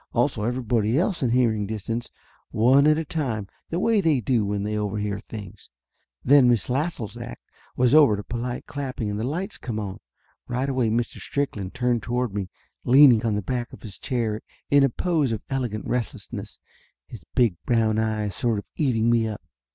Also everybody else in hearing distance, one at a time, the way they do when they overhear things. Then Miss Lassell's act was over to polite clapping and the lights come on. Right away Mr. Strickland turned toward me, leaning on the back of his chair in a pose of elegant restlessness, his big brown eyes sort of eating me up.